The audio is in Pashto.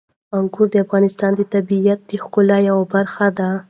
انګور د افغانستان د طبیعت د ښکلا یوه برخه ده.